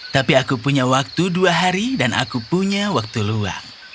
tapi aku punya waktu dua hari dan aku punya waktu luang